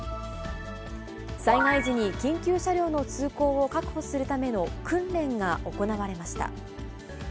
災害時に緊急車両の通行を確保するための訓練が行われました。